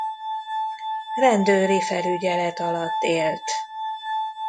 Rendőri felügyelet alatt élt.